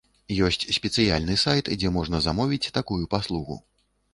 Ёсць спецыяльны сайт, дзе можна замовіць такую паслугу.